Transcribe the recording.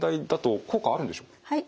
はい。